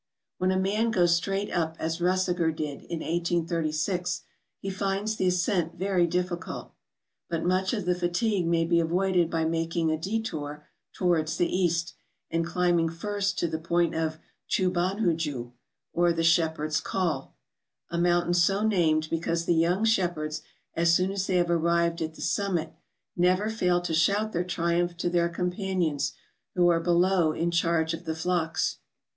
Wien a man goes straight up as Kussegger did in 1836, he finds the ascent very difficult; but much of the fatigue may be avoided by making a detour towards the east, and climbing first to the point of the Tchubanhuju, or the Shepherd's Call, a mountain so named because the young shepherds, as soon as they have arrived at the summit, never fail to shout their triumph to their companions who are below in charge of the flocks.